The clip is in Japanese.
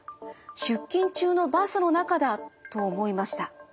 出勤中のバスの中だ」と思いました。